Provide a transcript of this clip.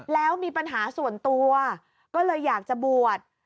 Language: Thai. แล้วมีปัญหาส่วนตัวก็เลยอยากจะบวช